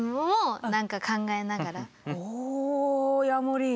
おヤモリン。